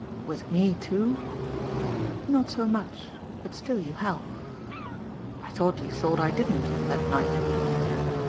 "With me too?" "Not so much but still you help." "I thought you thought I didn't that night."